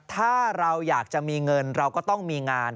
ถ้าเราอยากจะมีเงินเราก็ต้องมีงาน